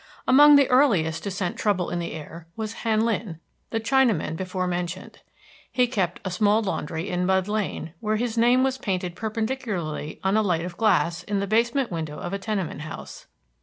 Among the earliest to scent trouble in the air was Han Lin, the Chinaman before mentioned. He kept a small laundry in Mud Lane, where his name was painted perpendicularly on a light of glass in the basement window of a tenement house.